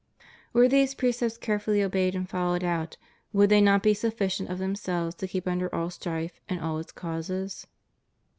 Were these precepts carefully obeyed and followed out, would they not be sufficient of themselves to keep under all strife and all its causes?